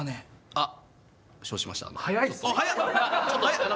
あっ。